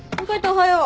おはよう。